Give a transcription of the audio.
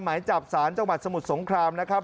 หมายจับสารจังหวัดสมุทรสงครามนะครับ